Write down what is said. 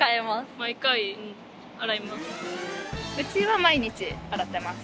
うちは毎日洗ってます。